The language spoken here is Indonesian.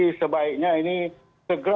yang terbaiknya ini segera